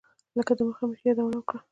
لکه دمخه چې مې یادونه وکړه.